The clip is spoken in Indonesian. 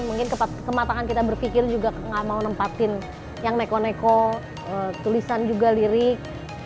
mungkin kematangan kita berpikir juga nggak mau nempatin yang neko neko tulisan juga lirik